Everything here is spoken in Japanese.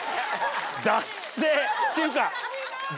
ダッセェ！っていうか。